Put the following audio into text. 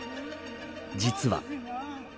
実は。